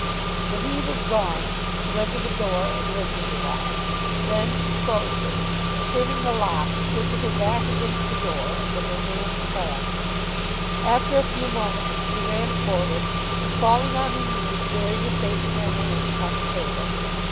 When he was gone she went to the door and listened awhile. Then she closed it, and turning the lock, stood with her back against the door and with her hands clasped. After a few moments she ran forward, and falling on her knees, buried her face in her hands upon the table.